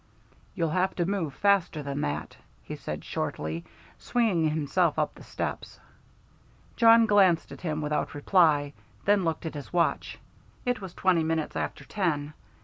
"You'll have to move faster than that," he said shortly, swinging himself up the steps. Jawn glanced at him without reply, then looked at his watch. It was twenty minutes after ten.